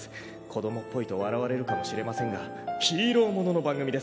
「子供っぽいと笑われるかもしれませんがヒーローものの番組です」